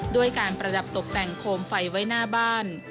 ด้วยการประดับตกแต่งโคมไฟไว้หน้าบ้าน